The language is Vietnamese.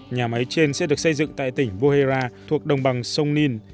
nhà máy trên sẽ được xây dựng tại tỉnh vohera thuộc đồng bằng sông nin